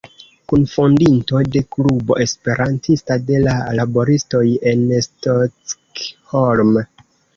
Kunfondinto de Klubo Esperantista de la laboristoj en Stockholm.